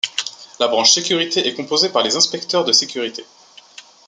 La branche sécurité est composée par les inspecteurs de sécurité.